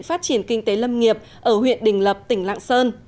phát triển kinh tế lâm nghiệp ở huyện đình lập tỉnh lạng sơn